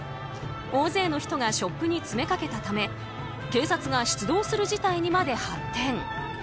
大勢の人がショップに詰めかけたため警察が出動する事態にまで発展。